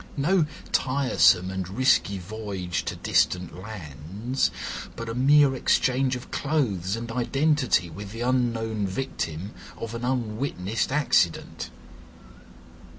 No tiresome and risky voyage to distant lands, but a mere exchange of clothes and identity with the unknown victim of an unwitnessed accident.